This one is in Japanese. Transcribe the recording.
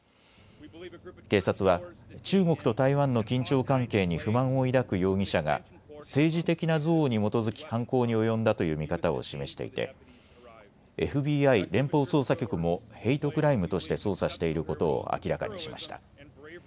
警察は中国と台湾の緊張関係に不満を抱く容疑者が政治的な憎悪に基づき犯行に及んだという見方を示していてＦＢＩ・連邦捜査局もヘイトクライムとして捜査していることを明らかにしました。